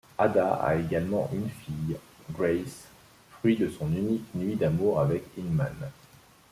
Ada a également une fille, Grace, fruit de son unique nuit d'amour avec Inman.